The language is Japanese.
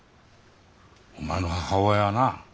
お前の母親はな